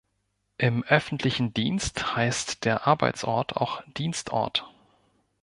Im öffentlichen Dienst heißt der Arbeitsort auch Dienstort.